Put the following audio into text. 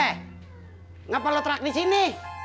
kenapa lo terak di sini